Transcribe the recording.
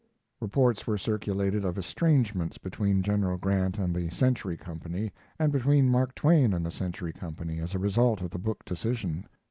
Reports were circulated of estrangements between General Grant and the Century Company, and between Mark Twain and the Century Company, as a result of the book decision.